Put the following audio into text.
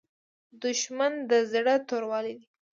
دښمن د زړه توروالی دی